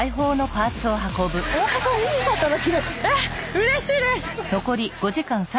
えっうれしいです！